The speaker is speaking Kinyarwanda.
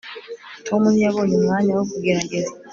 tom ntiyabonye umwanya wo kugerageza